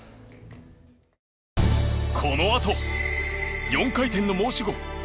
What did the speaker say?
このあと４回転の申し子